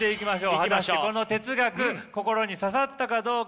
果たしてこの哲学心に刺さったかどうか。